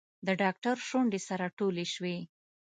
د ډاکتر شونډې سره ټولې شوې.